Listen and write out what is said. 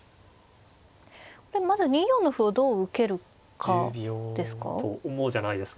まず２四の歩をどう受けるかですか。と思うじゃないですか。